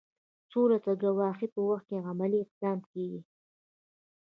سولې ته د ګواښ په وخت کې عملي اقدام کیږي.